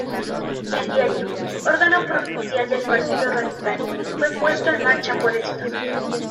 El diario, órgano provincial del Partido Radical, fue puesto en marcha por estos.